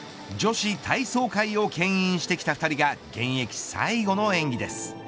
女子体操界をけん引してきた２人が現役最後の演技です。